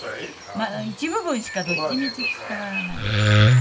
一部分しかどっちみち伝わらない。